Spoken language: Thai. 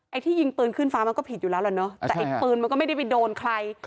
ไอ้ที่ยิงปืนขึ้นฝาก็ผิดอยู่แล้วล่ะเนี้ยแต่แอดปืนก็ไม่ได้ไปโดนใคร